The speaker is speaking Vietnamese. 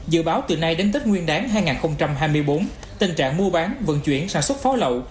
dự báo từ nay đến tết nguyên đáng hai nghìn hai mươi bốn tình trạng mua bán vận chuyển sản xuất pháo lậu